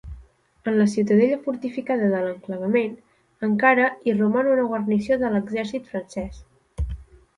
En la ciutadella fortificada de l'enclavament, encara hi roman una guarnició de l'exèrcit francès.